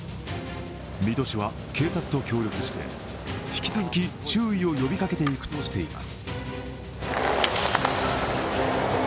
水戸市は警察と協力して引き続き注意を呼びかけていくとしています。